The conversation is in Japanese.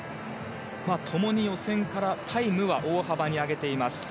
共に予選からタイムは大幅に上げています。